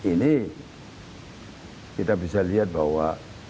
ini kita bisa lihat bahwa